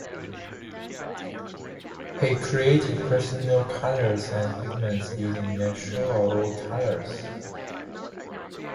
He created personal colours and pigments using natural or old colours.